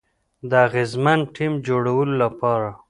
د اغیزمن ټیم جوړولو لپاره